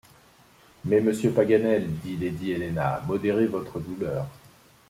Mais, monsieur Paganel, dit lady Helena, modérez votre douleur!